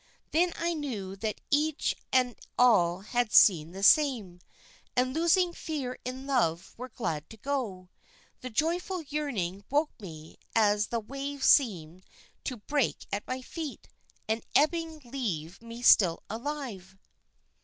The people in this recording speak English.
Then I knew that each and all had seen the same, and losing fear in love were glad to go. The joyful yearning woke me as the wave seemed to break at my feet, and ebbing leave me still alive."